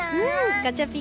ガチャピン